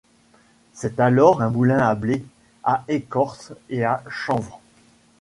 C'est alors un moulin à blé, à écorces et à chanvre.